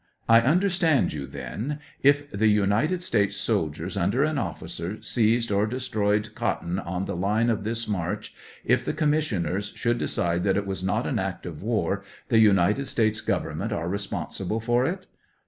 I understand you, then, if the United States sol diers, under an oflELcer, seized or destroyed cotton on •the line of this march, if the Commissioners should decide that it was not an act of war, the United States Government are responsible for it